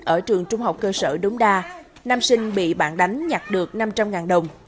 ở trường trung học cơ sở đống đa nam sinh bị bạn đánh nhặt được năm trăm linh đồng